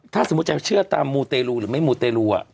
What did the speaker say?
ถ้าสมมุติจะเชื่อตามมูเตรลูหรือไม่มูเตรลู